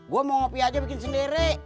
gue mau ngopi aja bikin sendiri